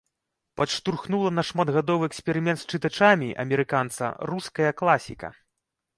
Падштурхнула на шматгадовы эксперымент з чытачамі амерыканца руская класіка.